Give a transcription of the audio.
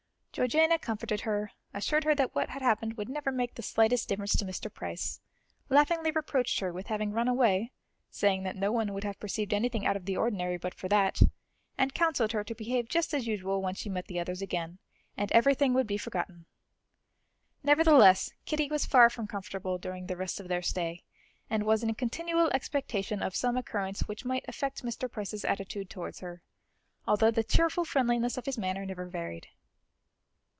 Georgiana comforted her, assured her that what had happened would never make the slightest difference to Mr. Price, laughingly reproached her with having run away, saying that no one would have perceived anything out of the ordinary but for that, and counselled her to behave just as usual when she met the others again, and everything would be forgotten. Nevertheless, Kitty was far from comfortable during the rest of their stay, and was in continual expectation of some occurrence which might affect Mr. Price's attitude towards her, although the cheerful friendliness of his manner never varied.